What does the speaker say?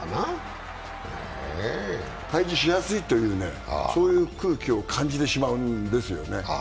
対峙しやすいという空気を感じてしまうんですよね。